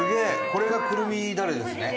これがくるみだれですね。